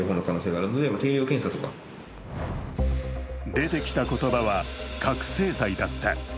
出てきた言葉は、覚醒剤だった。